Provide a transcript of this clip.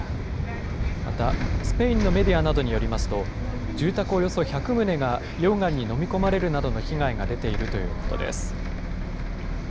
またスペインのメディアなどによりますと、住宅およそ１００棟が溶岩に飲み込まれるなどの被害が出ているということです。